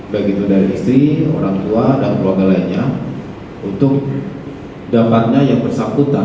begitu dari istri orangtua dan keluarga lainnya untuk dapatnya yang bersangkutan